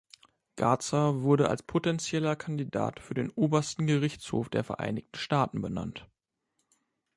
Garza wurde als potenzieller Kandidat für den Obersten Gerichtshof der Vereinigten Staaten benannt.